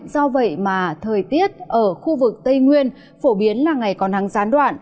do vậy mà thời tiết ở khu vực tây nguyên phổ biến là ngày còn nắng gián đoạn